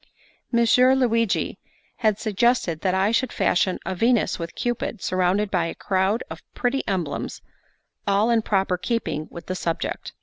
Messer Luigi had suggested that I should fashion a Venus with Cupid, surrounded by a crowd of pretty emblems, all in proper keeping with the subject.